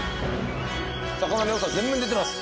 魚の良さ全面出てます。